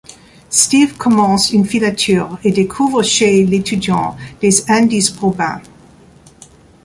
Steve commence une filature et découvre chez l'étudiant des indices probants.